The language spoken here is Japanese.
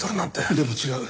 でも違う。